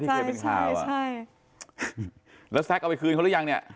เคยเป็นข่าวอ่ะใช่แล้วแซ็กเอาไปคืนเขาหรือยังเนี่ย